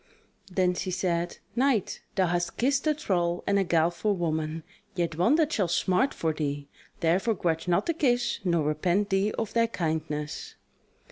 Then she said: "Knight, thou hast kissed a thrall and a guileful woman, yet one that shall smart for thee; therefore grudge not the kiss nor repent thee of thy kindness."